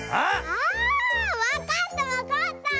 あわかったわかった。